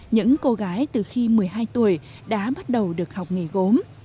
những cô gái từ khi một mươi hai tuổi đã bắt đầu được học nghề gốm